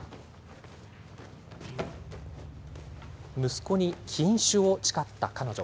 息子に禁酒を誓った彼女。